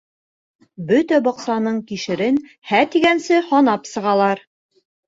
Бөтә баҡсаның кишерен һә тигәнсе һанап сығалар...